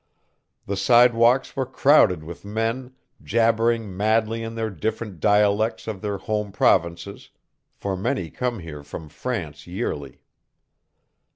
The sidewalks were crowded with men, jabbering madly in the different dialects of their home provinces (for many come here from France yearly).